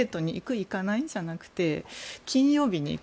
行かない？じゃなくて金曜日に行く？